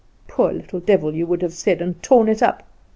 'Poor little devil!' you would have said, and tore it up.